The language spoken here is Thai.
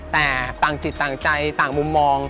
แต่ต่างจิตต่างใจต่างมุมมอง